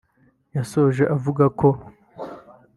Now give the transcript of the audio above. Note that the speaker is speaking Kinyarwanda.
yasoje avuga ko